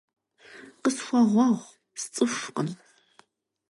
Къысхуэгъуэгъу, сцӏыхукъым.